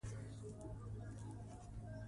ازادي راډیو د بیکاري پرمختګ سنجولی.